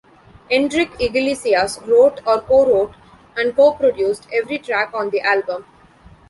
Enrique Iglesias wrote or co-wrote and co-produced every track on the album.